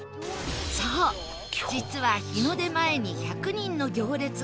そう実は日の出前に１００人の行列ができる